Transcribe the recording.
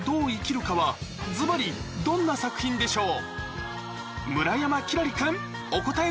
ずばりずばりどんな作品でしょう？